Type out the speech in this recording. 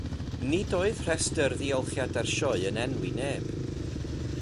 Nid oedd rhestr ddiolchiadau'r sioe yn enwi neb.